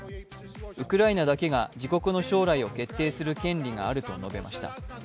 ウクライナだけが自国の将来を決定する権利があると述べました。